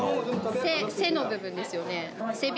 背の部分ですよね。